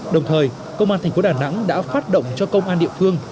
đồng thời công an tp đà nẵng đã phát động cho công an địa phương